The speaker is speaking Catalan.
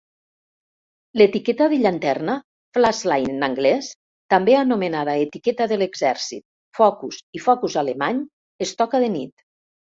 L'etiqueta de llanterna (Flashlight, en anglès), també anomenada "Etiqueta de l'exèrcit", "Focus" i "Focus alemany", es toca de nit.